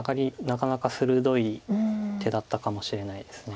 なかなか鋭い手だったかもしれないです。